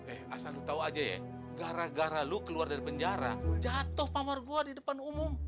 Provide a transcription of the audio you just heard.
eh asal lu tahu aja ya gara gara lu keluar dari penjara jatuh pamor gue di depan umum